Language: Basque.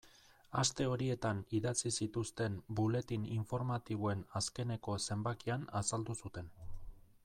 Aste horietan idatzi zituzten buletin informatiboen azkeneko zenbakian azaldu zuten.